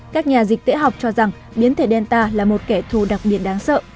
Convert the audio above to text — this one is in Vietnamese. các nhà dịch tễ học cho rằng biến thể delta là một kẻ thù đặc biệt đáng sợ